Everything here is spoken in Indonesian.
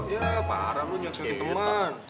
ya parah lo nyoksi teman